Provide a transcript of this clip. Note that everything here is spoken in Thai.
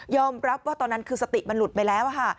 รับว่าตอนนั้นคือสติมันหลุดไปแล้วค่ะ